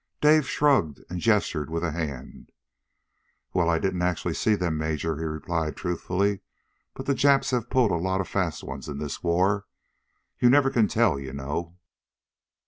Dave shrugged and gestured with a hand. "Well, I didn't actually see them, Major," he replied truthfully. "But the Japs have pulled a lot of fast ones in this war. You never can tell, you know."